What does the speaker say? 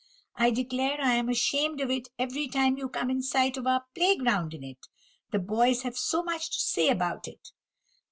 I declare I am ashamed of it every time you come in sight of our playground in it; the boys have so much to say about it."